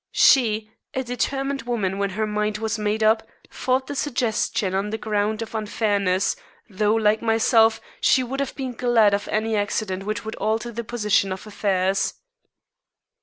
She a determined woman when her mind was made up fought the suggestion on the ground of unfairness, though, like myself, she would have been glad of any accident which would alter the position of affairs.